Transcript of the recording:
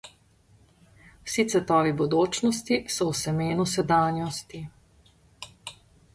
Vsi cvetovi bodočnosti so v semenu sedanjosti.